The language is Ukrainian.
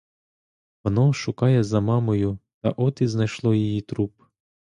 Воно шукає за мамою та от і знайшло її труп.